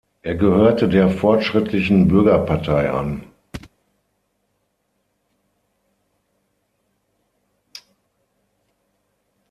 Er gehörte der Fortschrittlichen Bürgerpartei an.